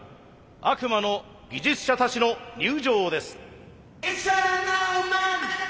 悪魔の技術者たちの入場です。